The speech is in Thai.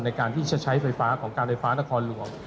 ในการที่จะใช้ไฟฟ้าของการไฟฟ้านครหลวง